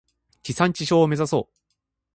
地産地消を目指そう。